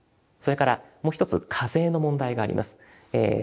それからもう一つ課税の問題があります。